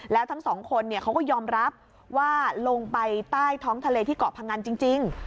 แล้วทั้งสองคนเขาก็ยอมรับว่าลงไปใต้ท้องทะเลที่เกาะพงันจริง